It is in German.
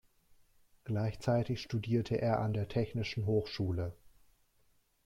Gleichzeitig studierte er an der Technischen Hochschule.